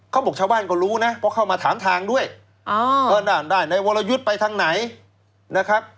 เขาบอกชาวบ้านก็รู้นะเพราะเข้ามาถามทางด้วยนั่นได้ในวรยุทธ์ไปทางไหนนะครับ